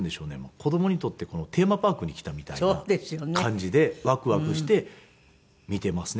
子供にとってテーマパークに来たみたいな感じでワクワクして見ていますね。